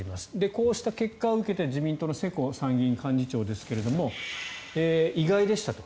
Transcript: こうした結果を受けて自民党の世耕参院幹事長ですが意外でしたと。